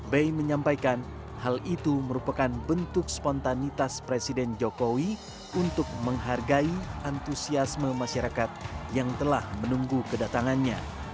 bei menyampaikan hal itu merupakan bentuk spontanitas presiden jokowi untuk menghargai antusiasme masyarakat yang telah menunggu kedatangannya